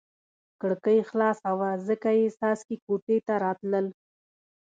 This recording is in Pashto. کړکۍ خلاصه وه ځکه یې څاڅکي کوټې ته راتلل.